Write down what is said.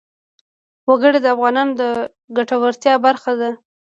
وګړي د افغانانو د ګټورتیا برخه ده.